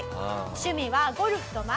趣味はゴルフと麻雀。